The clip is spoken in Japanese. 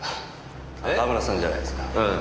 高村さんじゃないですか。